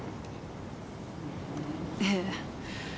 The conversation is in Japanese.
ええ。